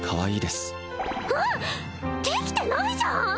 できてないじゃん！